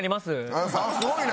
すごいな！